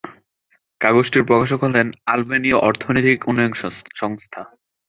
কাগজটির প্রকাশক হলেন আলবেনীয় অর্থনৈতিক উন্নয়ন সংস্থা।